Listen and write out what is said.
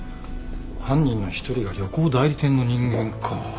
犯人の一人が旅行代理店の人間か。